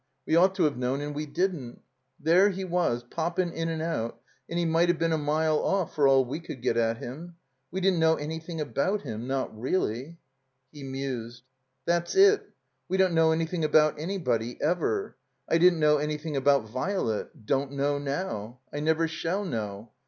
We ought to have known and we didn't. There he was, poppin' in and out, and he might have been a mile off for all we could get at him. We didn't know anything about him — not reelly." He mused. "That's it. We don't know ansrthing about any body — ever. I didn't know anything about Virelet — don't know now. I never shall know.